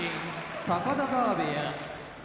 高田川部屋